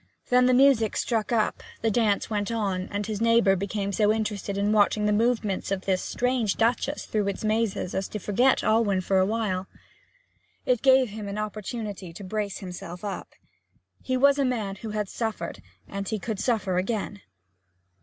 Then the music struck up, the dance went on, and his neighbour became so interested in watching the movements of this strange Duchess through its mazes as to forget Alwyn for a while. It gave him an opportunity to brace himself up. He was a man who had suffered, and he could suffer again.